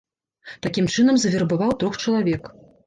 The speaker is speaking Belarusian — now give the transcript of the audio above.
Такім чынам завербаваў трох чалавек.